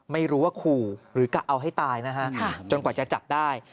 ไม่รู้ว่าขู่หรือกะเอาให้ตายนะฮะจนกว่าจะจับได้